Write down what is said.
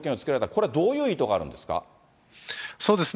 これはどういう意図があるんですか。